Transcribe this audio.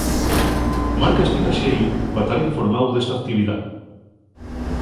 Marca esti caxellu pa tar informáu d'esta actividá.